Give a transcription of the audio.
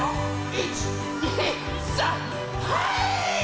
１２３はい！